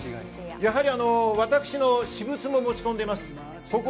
私の私物も持ち込んでいます。